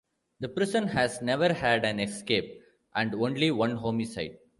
The prison has never had an escape, and only one homicide.